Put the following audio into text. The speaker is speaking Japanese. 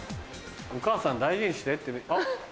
お母さん大事にしてって意味あっ。